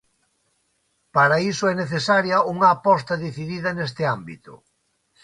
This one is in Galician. Para iso é necesaria unha aposta decidida neste ámbito.